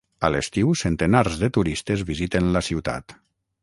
A l'estiu centenars de turistes visiten la ciutat.